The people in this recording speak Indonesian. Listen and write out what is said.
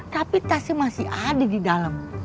tapi tasnya masih ada di dalam